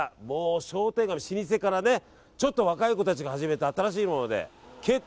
商店街も老舗からちょっと若い子が始めた新しいもので。